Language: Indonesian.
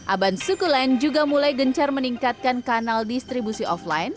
aban sukulen juga mulai gencar meningkatkan kanal distribusi offline